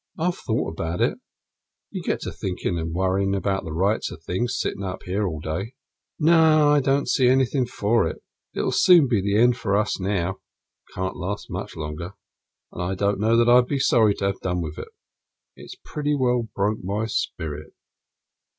I've thought about it you get to thinkin' and worryin' about the rights o' things, sittin' up here all day. No, I don't see anything for it. It'll soon be the end of us now can't last much longer. And I don't know that I'll be sorry to have done with it. It's pretty well broke my spirit."